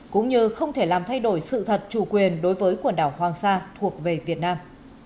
cũng như không thể làm thay đổi sự thật chủ quyền đối với quần đảo hoàng sa thuộc về việt nam